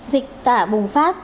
dịch tả bùng phát